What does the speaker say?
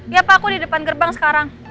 iya pa aku di depan gerbang sekarang